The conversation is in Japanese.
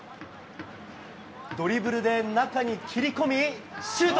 ドリブルで中に切り込み、シュート。